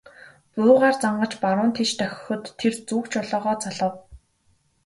Буугаар зангаж баруун тийш дохиход тэр зүг жолоогоо залав.